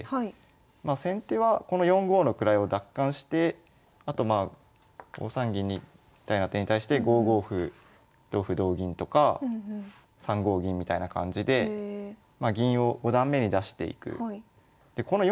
まあ先手はこの４五の位を奪還してあとまあ５三銀みたいな手に対して５五歩同歩同銀とか３五銀みたいな感じで銀を五段目に出していく。